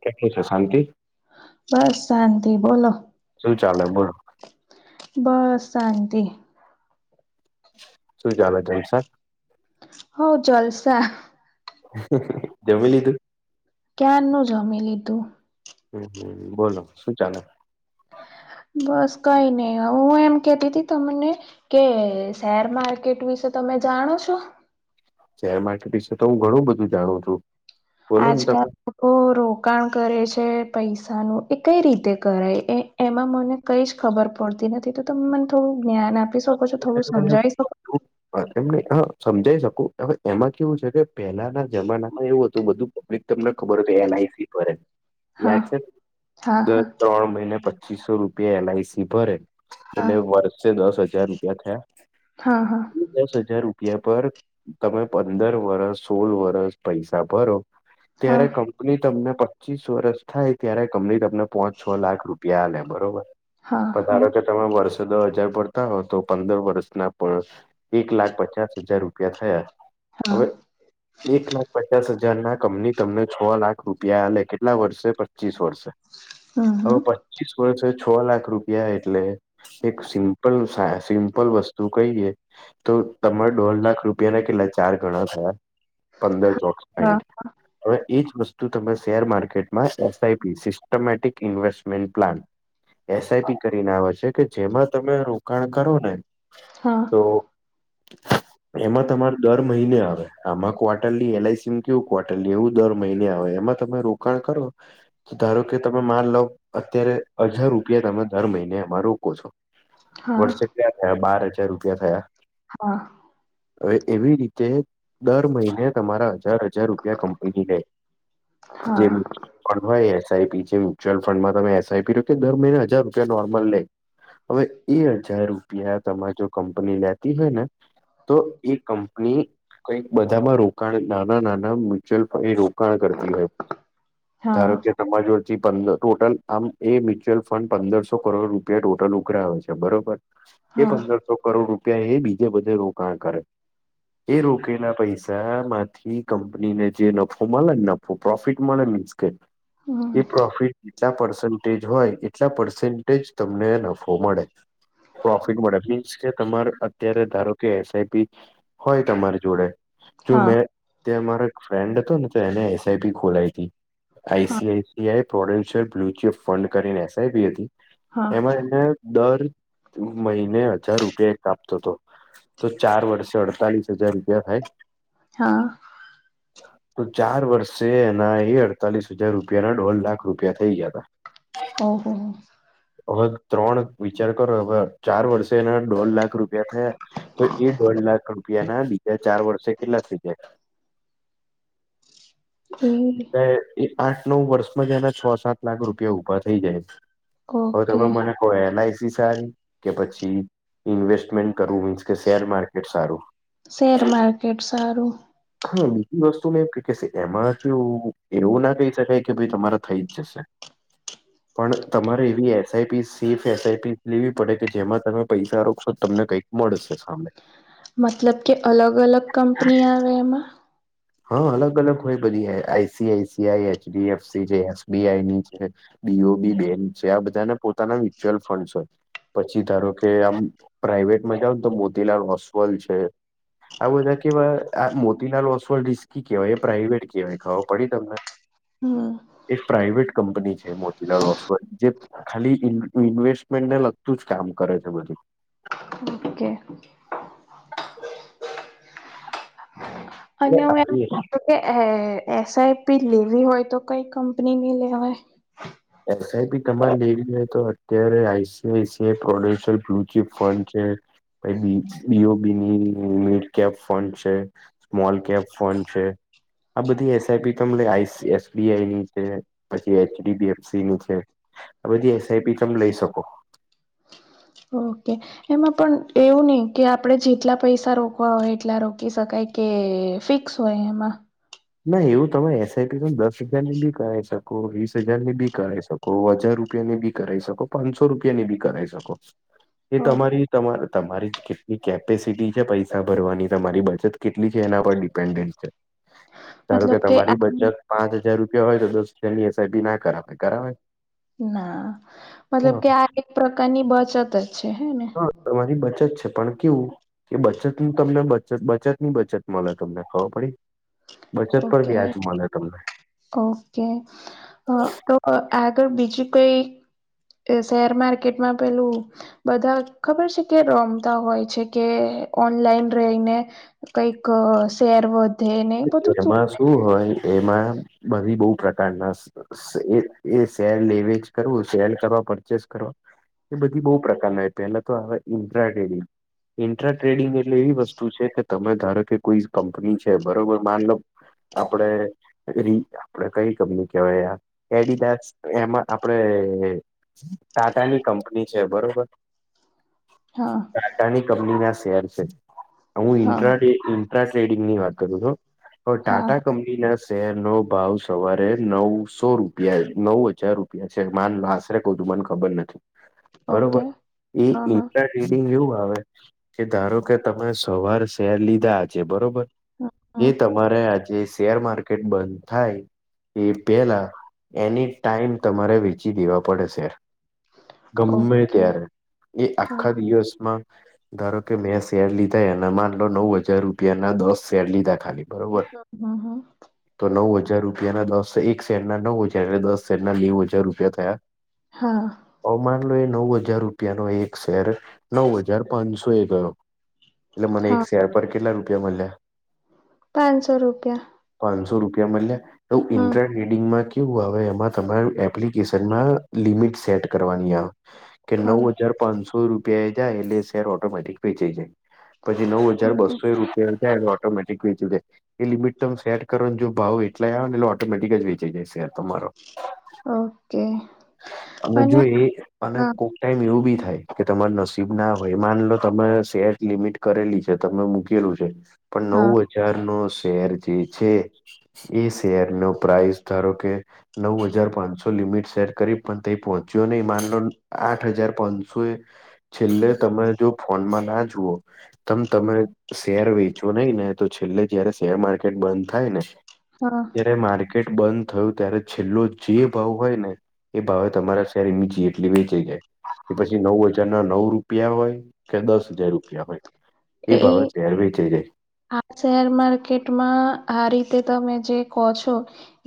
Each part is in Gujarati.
ક છે શાંતિ- બસ શાંતિ બોલો શું ચાલે બોલો- બસ શાંતિ - શું ચાલજમ સા- હ જલસા- જમીલધું- ક્યાર ન જમી લીધું- હમ હમ બોલો શું ચાલે- બસ કઈ નહી હવે હું એમ કતી ત તમને- કે શેર માર્કેટ વિશે તમે જાણો છો- શેર માર્કેટ વિશે તો હું ઘણું બધું જાણું છું. બોલો ને તમે આજકાલ- ઓ રોકાણ કરે છે પૈસાનું એ કઈ રીતે કરાય એ એમાં મને- કઈ જ ખબર પડતી નથી તો તમે મને થોડું જ્ઞાન આપી શકો છો થોડું સમજાવી શકો છો- હ એમને હા સમજાઈ શકું હવે એમાં કેવું છે કે પહેલાના જમાનામાં એવું- તો બધું પબ્લિક- તમને ખબર હો એલઆઈસી પર યાદ હા છે હા દસ હા ત્રણ મહિના પછી- પચીસો રૂપિયા એલઆઈસી ભરે એટલે હા વર્ષે દસ હજાર રૂપિયા થયા- હા હા- દસ હજાર રૂપિયા પર તમે પંદર વરસ સોળ વરસ પૈસા ભરો- હા ત્યારે કંપની તમને પચીસ વર્ષ- થાય ત્યારે કમ્લીટ તમને પોચ છ લાખ રૂપિયા લે બરોબર હા હા પાર- વર્ષો દ હજાર પડતા હોય તો પંદર વર્ષના પણ એક લાખ પચાસ હજાર રૂપિયા- થયા હા હવે એક લાખ પચાસ હજાર ના કમની તમને છ લાખ રૂ- પ્યા લ કેટલા વર્ષે પચીસ વર્ષે હમ હમ હવે- પીસ વર્ષે છ લાખ રૂપિયા એટલે એક સિમ- જો સાયા સિમ્પલ વસ્તુ કહીએ, તો તમારે દોઢ લાખ રૂપિયાને કેટલા ચાર ગણા થયા? પંદર ચોક હા સાઈઠ. હવે એજ વસ્તુ તમે શેર માર્કેટમાં SIP systematic invest- plan SIP કરીને આવે છે કે જેમાં તમે રોકાણ કરો ને- હા- તો એમાં તમાર દર મહિને આવે આમાં ક્વાર્ટરની એલઆઈસી- કેવું ક્વાર્ટરલી, એવું દર મહિને આવે, એમાં તમે રોકાણ કરો ધારો કે તમે માર લો, અત્યારે હજાર રૂપિયા તમે દર મહિને એમાં રોકો છો, હા વર્ષે ક્યાં થયા? બાર હજાર રૂપિયા થયા? હા એવી રી તે દર મહિને તમારા હજાર હજાર રૂપિયા કંપનીની રહે. હા જે ફંડ હોય, એસઆઈપી છે. મ્યુચ્યુઅલ ફંડમાં તમે એસઆઈપી રોકે, દર મહિને હજાર રૂપિયા નોર્મલ લે, હવે, એ હજાર રૂપિયા તમાર જોડ કંપની લેતી હોય ને, તો એક કંપની, કંઈક બધામાં રોકાણ નાના નાના મ્યુચ્યુઅલ ફંડ એ રો કાણ કરતી હોય, હા ધારો કે તમાર જોડથી પંદર, ટોટલ, આમ એ મ્યુચ્યુઅલ ફંડ પંદરસો કરોડ રૂપિયા ટોટલ ઉઘરાવે છે, બરોબર? એ હા પંદરસો કરોડ રૂપિયા એ બીજે બધે રોકાણ કરે, એ રોકેલા પૈસા આમાંથી કંપની ને જે નફો મલે ને નફો, પ્રોફિટ મળે, મિંસ કે હમ એ પ્રોફિટ જેટલા પર્સન્ટેજ હોય, એટલા પર્સન્ટેજ તમને નફો મળે પ્રોફિટ મળે, મીન્સ કે તમારે અત્યારે ધારો કે એસઆઈપી હોય, તમારી જોડે, જો હા મેં ત્યાં મારો એક ફ્રેન્ડ હતો ને, તો એને એસઆઈપી ખોલાઈતી. હા આઈસીઆઈસીઆઈ પ્રોડેશિયલ મ્યુચ્યુઅલ ફંડ કરીને એસઆઈપી હતી, હા એમાં એને દર મહિને હજાર રૂપિયા એ કાપતો તો તો ચાર વર્ષે અડતાલીસ હજાર રૂપિયા થાય? હા તો ચાર વર્ષે એના એ અડતાલીસ હજાર રૂપિયાના દોઢ લાખ રૂપિયા થઇ ગ્યાતા! રાઇટ ઓહ હો હવે ત્રણ, વિચાર કરો હવે, ચાર વર્ષે એના દોઢ લાખ રૂપિયા થયા તો એ દોઢ લાખ રૂપિયાના બીજા ચાર વર્ષે કેટલા થઈ જાય? એ એટલે, એ આઠ નવ વર્ષમાં જ, એના છ સાત લાખ રૂપિયા ઉભા થઈ જાય. હવે ઓકે તમે મને કો, એલઆઈસી સારી? કે પછી ઇન્વેસ્ટમેન્ટ કરવું, મીન્સ કે, સેર માર્કેટ સારું? સેર માર્કેટ સારું હા, બીજી વસ્તુ એ કેસે, એમાં જો એવું ના કહી સકાય કે ભાઈ તમારા થઈ જ જશે. પણ તમારે એવી એસઆઈપી, સેફ એસઆઈપી લેવી પ પડે કે જેમાં તમે પૈસા રોકશો તમને કઈક મળસે સામે મતલબ કે અલગ અલગ કંપની આવે એમાં? હા, અલગ અલગ હોય બધી, આઈસી આઈસીઆઈ, એચડી એફસી છે, એસબીઆઈ ની છે. બીઓબી બેંક છે, આ બધાના પોતાના મ્યુચ્યુઅલ ફંડ્સ હોય, પછી ધારો કે આમ પ્રાાઈવેટમાં જાવ ને, તો મોતીલાલ ઓસ્વાલ છે, આ બધા કેવા, આ મોતીલાલ ઓ રિસ્કી કે, પ્રાાઈવેટ કહેવાય, ખબ પડી તમને? હા એ પ્રાઈવેટ કંપની છે મોતીલાલ ઓસ્વાલ જે ખાલી ઇન્વેસ્ટમેન્ટને લગતું જ કામ કરે છે બધું, ઓકે [unintelligible] અને હું એમ આવી પૂછું કે એ એ એસઆઈપી લેવી હોય તો કઈ કંપનીની લેવાય? એસઆઈપી તમારે લેવી હોઈ તો અત્યારે આઈસીઆઈસીઆઈ પ્રોડેન્શયલ બ્લુચીપ ફંડ છે તેની, બીઓબીની મિડકેપ ફંડ છે, સ્મોલ કેપ્સ ફન છે, આ બધી એસઆઈપી તમને, આઈ સી, એસબીઆઈ ની છે, પછી એચડીબીએફ સી ની છે, આ બધી એસઆઈપી તમ લઈ સકો. ઓકે એમાં પણ એવું નઈ કે આપડણે જેટલા પૈસા રોકવા હોય એટલા રોકી શકાય કે ફિક્સ હોય એમાં ના એવું તમે એસઆઈપી તો દસ હજાર ની બી કરાવાઈ શકો વીસ હજાર ની બી કરાઈ શકો કો હજાર રૂપિયા ની બી કરાઈ શકો પાંચસો રૂપિયા ની બી કરાઈ શકો એ ઓ, તમારી તમા તમારી કેટલી કેપેસિટી છે પૈસા ભરવાની તમારી બચત કેટલી છે એના પર ડિપેન્ડન્ટ છે ધારો કે મતલબ તમારી આ બચત પાંચ હજાર રૂપિયા હોય તો દ તેની એસઆઈ બી ના કરાવે કરાવે ના મતલબ કે હા આ એક પ્રકારની બચત જ છે હે ને તમારી બચત છે પણ કેવું કે બચત નું તમને બત બચતની બચત મળે તમને ખબર પડી બચત પર ઓકે બી આજમાને તમને ઓકે તો આગળ બીજું કોઈ શેર માર્કેટ માં પેલું બધા ખબર છે કે રમતા હોય છે કે ઓનલાઈન રહીને કઈક શેર વધે ને બધું એમાં શું હોય એમાં બધી બહુ પ્રકારના એ એ શેર લેવે જ કરવું શેર કરવા પરચેસ કરવા એ બધી બહુ પ્રકારના આવે પહેલા તો આવે ઇન્ટ્રા ટ્રેડિંગ ઇન્ટ્રા ટ્રેડિંગ એ એટલે એવી વસ્તુ છે કે તમે ધારો કે કોઈ કંપની છે બરોબર માન લો આપડે આપડ કઈ કંપની કવાય એડીદાસ એમાં આપડે ટાટા ની કંપની છે બરોબર હા ટાટાની કંપની ના શેર છે હું હા ઇન્ટ્રા ટ્રેડિંગ ની વાત હા ટાટા કંની ના શેર નો ભાવ સવારે નવસો રૂપિયા નવ હજાર રૂ મા આશરે ક તું મને ખબર નથી બરોબર ઓકે એ હા હા ન્ટ ઇડિંગ એવું આવે કે ધારો કે તમે સવાર શેર લીધા છે બરોબર એ હમ તમારે આજે શેર માર્કેટ બંધ થાય એ પેલા એની ટાઈમ તમારે વેચી દેવા પડે શે ગમે ઓકે ત્યારે એ હમ આખા દિવસમાં ધારો કે મેં શેર લીધા એના માન લો નવ હજાર રૂપિયા ના દસ શેર લીધા ખાલી બરોબર હમ તો નવ હજાર રૂપિયા ના દસ એક શેર ના નવ હજાર એટલે દસ શેર ના નેવ હજાર રૂપિયા થયા હા અવમાન લો એ નવ હજાર રૂપિયાનોો એક શેર નવ હજાર પાંચસો એ ગયો એટલે મને એક હા શેર પર કેટલા રૂપિયા મળ્યા પાંચસો રૂપિયા પાંદચસો રૂપિયા હમ મળ્યાુંઇન્ટરે રીડિંગમાં કેવું આવે એમાં તમારું એપ્લિકેશનમાં લિમિટ સેટ કરવાની આવે કે હા નવ હજાર પાંચસો રૂપિયા એ જાય એટલે શેર ઓટોમેટિક પેચાઈ જાય પછી નવ હજાર ઓકે બસો રૂપિયા જાય એ ઓટોમેટિક વેચી જાય એ લિમિટ તમે સેટ કરો જો ભાવ એટલાય આવે એટલે ઓટોમેટિક જ વેચી જાય સેટ તમારો ઓકે અને જો અને હા કો ટાઈમ એવું બી થાય કે તમાર નસીબ ના હોય માન લો તમે શેર લિમિટ કરેલી છે તમેકી લું છે પણ હા નવ હજાર નો શેર જે છે એ શેર ન પ્રાાઈસ ધારો કે નવ હજાર પાંચસો લિમિટ સેટ કરી પણ ત પહોંચ્યો નહી માનલો આઠ હજાર પાંચસો એ છેલ્લે તમે જો ફોનમાં ના જુઓ તમ તમે શેરવી ને તો છેલ્લે જયારે શેર માર્કેટ બંધ થાય ને હા ત્યારે માર્કેટ બંધ થયું ત્યારે છેલ્લો જે ભાવ હોય ને એ ભાવે તમારા શેરી બીચી એટલી વેચી જાય કે પછી નવ હજાર ના નવ રૂપિયા હોય કે દસ હજાર રૂપિયા હોય એ બાબત શેર વેચે જાય આ શેર માર્કેટમાં આ રીતે તમે જે કહો છો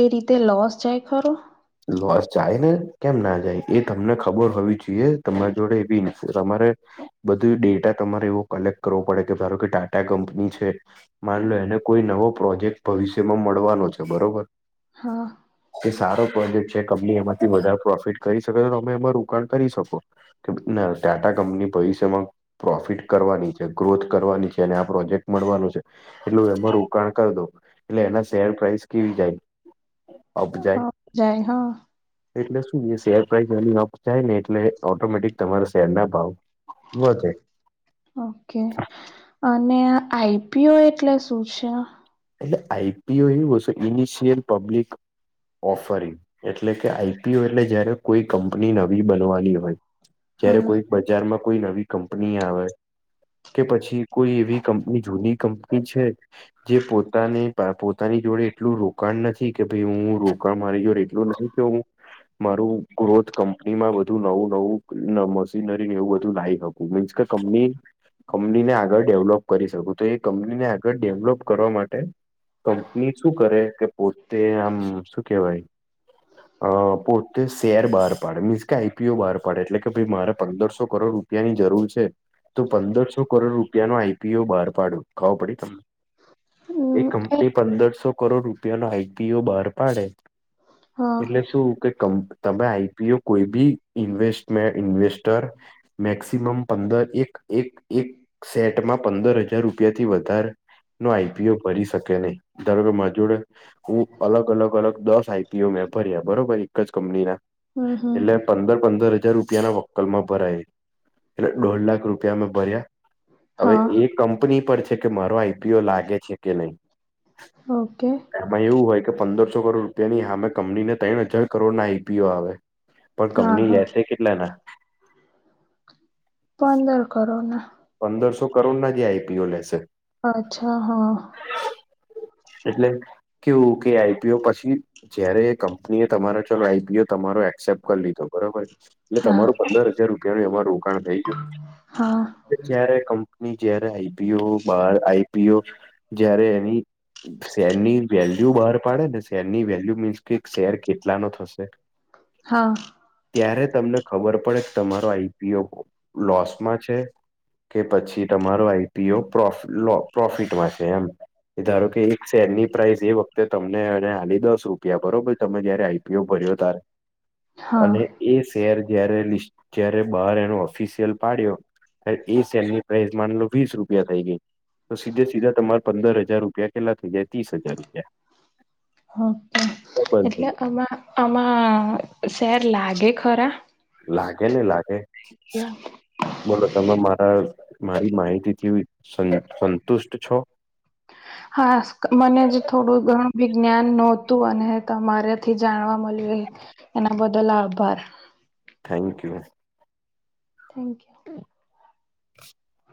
એ રીતે લોસ જાય ખરો લોસ જાય ને કેમ ના જાય એ તમને ખબર હોવી જોઈએ તમારી જોડે એવી ન તમારે બધું ડેટા તમારે એવો કલેક્ટ કરવો પડે કે ધારો કે ટાટા કંપની છે માનલો એને કોઈ નવો પ્રોજેક્ટ ભવિષ્યમાં મળવાનો છે બરોબર હા એ સારો પ્રોજેક્ટ છે કંપની એમાંથી વધારે પ્રોફિટ કરી શકે તો તમે એમાં રોકાણ કરી શકો ના ટાટા કંપની ભવિષ્યમાં પ્રોફિટ કરવાની છે ગ્રોથ કરવાની છે અને આ પ્રોજેક્ટ મળવાનું છે એટલું એમાં રોકાણ કરી દો એટલે એના શેર પ્રાઈસ કેવી જાય અબજાય હા, જાય હા એટલે શું શેર પ્રાાઈસ અપ થાય ને એટલે ઓટોમેટિક તમારા શેર ના ભાવ વધે ઓકે અને આઈપીઓ એટલે શું છે એટલે આઈપીઓ એવું હશે ઇનિશિયલ પબ્લિક ઓફર એટલે કે આઈપીયુ એટલે જયારે કોઈ કંપની નવી બનવાની હોય જયારે હા કોઈ બજાર માં કોઈ નવી કંપની આવે કે પછી કોઈ એવી કંપની જૂની કંપની છે જે પોતાને પોતાની જોડે એટલું રોકાણ નથી કે ભાઈ હું રોકાણ મારી જોડે એટલું નથી કે હું મારું ગ્રોથ કંપનીમાં બધું નવું નવું મશીનરી એવું બધું લાયક હત મીન્સ કે કંપની કંપનીને આગળ ડેવલોપ કરી શકું તો એ કંપનીને આગળ ડેવલોપ કરવા માટે કંપની શું કરે કે પોતે આમ શું કેવાય [inaudible] અ પોતે શેર બહાર પાડે મીન્સ કે આઈપીઓ બહાર પાડે એટલે કે ભાઈ મારે પંદરસો કરોડ રૂ રૂપિયા ની જરૂર છે તો પંદરસો કરોડ રૂપિયા નો આઈપીઓ બહાર પાડો ખબો પડી તમને એ કંપની પંદરસો કરોડ રૂપિયાનો આઈપીઓ બહાર પાડે હા એટલે શું કે તમે આઈપીઓ કોઈ બી ઇન્મે ઇન્વેસ્ટર મેક્સિમમ પંદર એક એક એક સેટમાં પંદર હજાર રૂપિયાથી વધાર નો આઈપી ઓ ભરી શકે નહી ધારો કે મરી જોડે હું અલગ અલગ અલગ દસ આઈપી ઓ મે ભર્યા બરોબર એક જ કંપનીના હમ હમ એટલે પંદર પંદર હજાર રૂપિયા ના વક્કલમાં ભરાય એટલે દોઢ લાખ રૂપિયા મે ભર્યા હવે હા એ કંપની પરથી કે મારો આઈપીઓ લાગે છે કે નહીં ઓકે આમાં એવું હોય કે પંદરસો કરોડ રૂપિયા ની હમે કંપનીને ત્રણ હજાર કરોડ ના આઈપીઓ આવે પણ હા કંપની હા લેશે કેટલાના પંદર કરોડ ના પંદરસો કરોડના જે આઈપીઓ લેશે અચ્છા હા એટલે કેવું કે આઈપીઓ પછી જયારે કંપની એ તમારો ચલો આઈબીઓ તમારો એક્સેપ્ટ કરી લીધો બરોબર એટલે હા તમારું પંદર હજાર રૂપિયાનુંું અમાર રોકાણ થઈ ગયો હા જયારે કંપની જયારે આઈપીઓ બાર આઈપીઓ જયારે એની શેરની વેલ્યુ બહાર પાડે ને શેરની વેલ્યુ મીન્સ કે શેર કેટલા નો થશે હા ત્યારે તમને ખબર પડે કે તમારો આઈપીઓ લોસમાં છે કે પછી તમારો આઈપી પ્રોફિટમાં છે એમ ધારો કે એક શહેરની પ્રાઇસ એ વખતે તમને અને આાલી દસ રૂપિયા બરોબર તમે જયારે આઈપીઓ ભર્યો ત્યારે હા અને એ શેર જ્યારે લ જય્યારે બહાર એનો ઓફિશિયલ પાડ્યો એ શેમની પ્રઇસ મા લો વીસ રૂપિયા થઈ ગઈ તો સીધે સીધા તમારે પંદર હજાર રૂપિયા કેટલા થઈ જાય છે હ તો બંધ થઈ એટલે આમાં આમાં શેર લાગે ખરા લાગે ને લાગે [unintelligible] બોલો તમે મારા મારી માહિતીથી સંતુષ્ટ છો [inaudible] હા મનેજ થોડું ઘણું વિજ્ઞાન નહોતું અને તમારાથી જાણવા મળ્યું એના બદલ આભાર થેન્ક યુ થેન્ક યુ [inaudible]